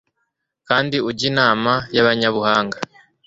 kandi ujye inama n'abanyabuhanga